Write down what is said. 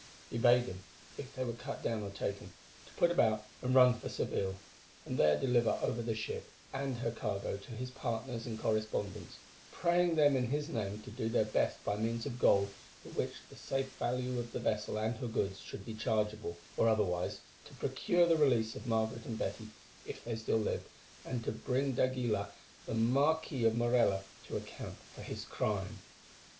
He bade him, if they were cut down or taken, to put about and run for Seville, and there deliver over the ship and her cargo to his partners and correspondents, praying them in his name to do their best by means of gold, for which the sale value of the vessel and her goods should be chargeable, or otherwise, to procure the release of Margaret and Betty, if they still lived, and to bring d'Aguilar, the Marquis of Morella, to account for his crime.